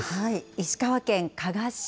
石川県加賀市。